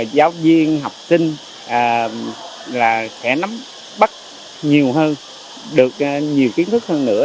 giáo viên học sinh là sẽ nắm bắt nhiều hơn được nhiều kiến thức hơn nữa